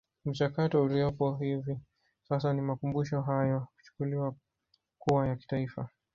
Mchakato uliopo hivi sasa ni Makumbusho hayo kuchukuliwa kuwa ya Kitaifa